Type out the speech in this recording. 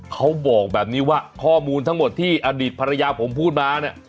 เขาบอกแบบนี้ว่าข้อมูลทั้งหมดที่อดีตภรรยาผมพูดมาเนี่ย